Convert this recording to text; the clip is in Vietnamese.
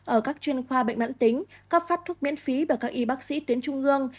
ở các chuyên khoa bệnh mãn tính cấp phát thuốc miễn phí bởi các y bác sĩ tuyến trung ương